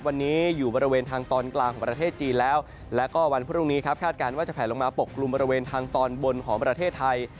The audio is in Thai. วันนี้อยู่บริเวณทางตอนกลางของประเทศจีนแล้วแล้วก็วันพรุ่งนี้ครับคาดการณ์ว่าจะแผลลงมาปกกลุ่มบริเวณทางตอนบนของประเทศไทย